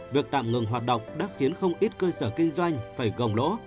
việc tạm ngừng hoạt động đã khiến không ít cơ sở kinh doanh phải gồng lỗ